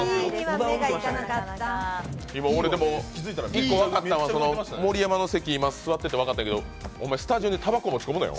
結構分かったのは、盛山の席に座ってて分かったんだけど、おまえ、スタジオにたばこ持ち込むなよ！